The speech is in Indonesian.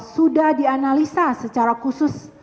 sudah dianalisa secara khusus